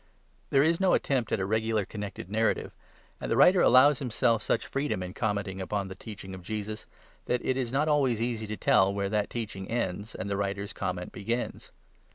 There is no attempt at a regular connected narrative ; and the writer allows himself such freedom in commenting upon the teaching of Jesus, that it is not always easy to tell where that teaching ends and the writer's comment begins.